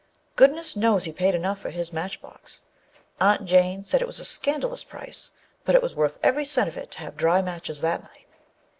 Goodness knows he paid enough for his matchbox; Aunt Jane said it was a scandalous price, but it was worth every cent of it to have dry matches that night.